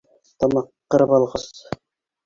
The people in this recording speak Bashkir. Тамаҡ ҡырып алғас: